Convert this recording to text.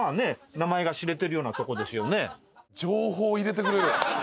名前が知れてるようなとこですよね。